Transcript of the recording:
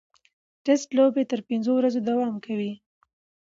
ټېسټ لوبې تر پنځو ورځو دوام کوي.